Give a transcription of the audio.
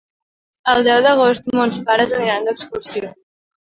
El deu d'agost mons pares aniran d'excursió.